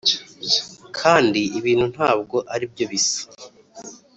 kandi ibintu ntabwo aribyo bisa.